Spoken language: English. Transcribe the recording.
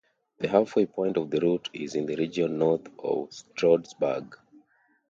The halfway point of the route is in the region north of Stroudsburg.